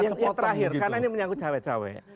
yang terakhir karena ini menyangkut cewek cewek